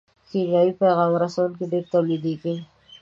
کیمیاوي پیغام رسوونکي ډېر تولیدیږي.